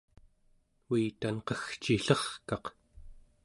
uitanqegcillerkaq